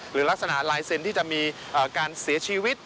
หรือลักษณะลายเซ็นต์ที่จะมีการเสียชีวิต